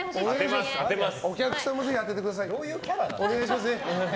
お客さんもぜひ当ててくださいよ。